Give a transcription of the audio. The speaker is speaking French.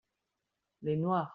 les noirs.